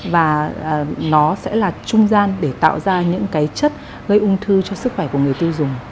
và nó sẽ là trung gian để tạo ra những cái chất gây ung thư cho sức khỏe của người tiêu dùng